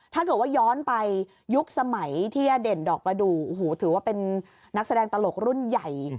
ถ้าเกิดว่าย้อนไปยุคสมัยที่อเด่นดอกประดูกโอ้โหถือว่าเป็นนักแสดงตลกรุ่นใหญ่